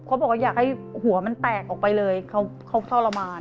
บอกว่าอยากให้หัวมันแตกออกไปเลยเขาทรมาน